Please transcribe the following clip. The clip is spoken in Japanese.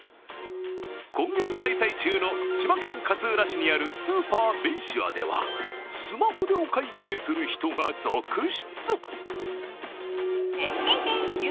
今月、開催中の千葉県勝浦市にあるスーパー・ベイシアではスマホでお会計する人が続出。